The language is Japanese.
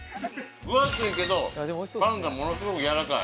分厚いけどパンがものすごくやわらかい。